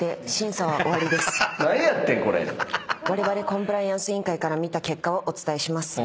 コンプライアンス委員会から見た結果をお伝えします。